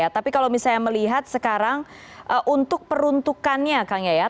tapi kalau misalnya melihat sekarang untuk peruntukannya